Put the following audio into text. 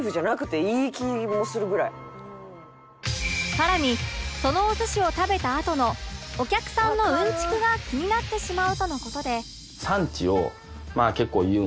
さらにそのお寿司を食べたあとのお客さんのうんちくが気になってしまうとの事で